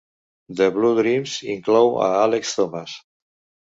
"The Blue Dreams" inclou a Alex Thomas.